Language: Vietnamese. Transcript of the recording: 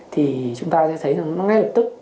thì chúng ta sẽ thấy ngay lập tức